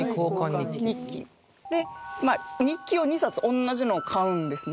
日記を２冊同じのを買うんですね。